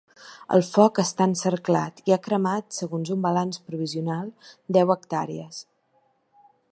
El foc està encerclat i ha cremat, segons un balanç provisional, deu hectàrees.